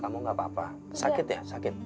kamu gak apa apa sakit ya sakit